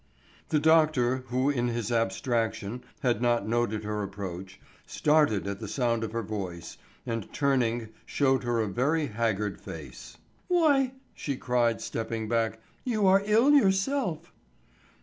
The doctor, who in his abstraction had not noted her approach, started at the sound of her voice, and turning showed her a very haggard face. "Why," she cried, stepping back, "you are ill yourself."